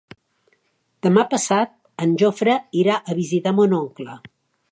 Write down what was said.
Demà passat en Jofre irà a visitar mon oncle.